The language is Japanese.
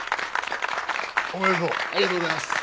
ありがとうございます。